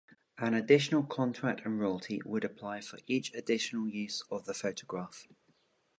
An additional contract and royalty would apply for each additional use of the photograph.